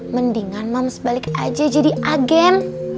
mendingan moms balik aja jadi agen